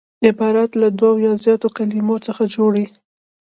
عبارت له دوو یا زیاتو کليمو څخه جوړ يي.